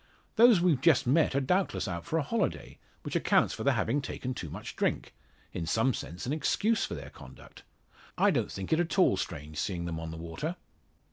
Those we've just met are doubtless out for a holiday, which accounts for their having taken too much drink in some sense an excuse for their conduct. I don't think it at all strange seeing them on the water."